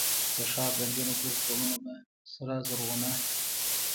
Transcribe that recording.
د ښار دنجونو پر پوړونو به، سره زرغونه،